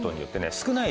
少ない